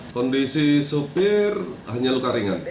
kondisi sopir hanya luka ringan